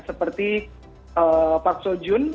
seperti park seo joon